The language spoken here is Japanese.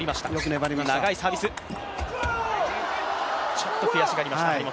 ちょっと悔しがりました、張本。